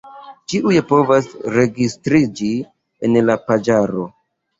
Ĉiuj povas registriĝi en la paĝaro.